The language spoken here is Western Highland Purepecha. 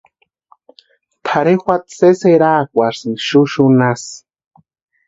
Tʼarhe juata sésï eraakwarhisïnti xuxunasï.